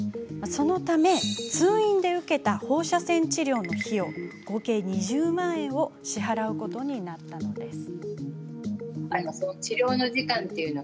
そのため、通院で受けた放射線治療の費用合計２０万円を支払うことになったのです。